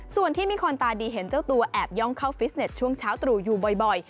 ส่วนที่มีคนตาดีเห็นเจ้าตัวแอบย่องเข้าฟิสเน็ตช่วงเช้าตรู่อยู่บ่อย